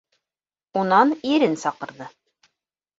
Унан ирен саҡырҙы: